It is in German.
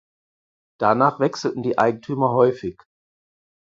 Danach wechselten die Eigentümer häufig.